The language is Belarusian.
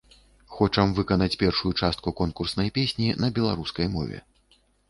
Хочам выканаць першую частку конкурснай песні на беларускай мове.